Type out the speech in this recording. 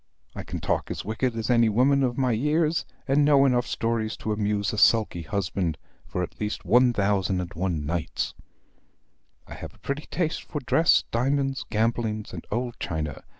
I can talk as wicked as any woman of my years, and know enough stories to amuse a sulky husband for at least one thousand and one nights. I have a pretty taste for dress, diamonds, gambling, and old China.